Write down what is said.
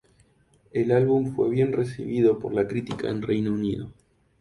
El álbum fue bien recibido por la crítica en Reino Unido.